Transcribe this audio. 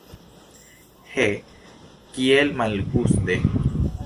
He, kiel malguste!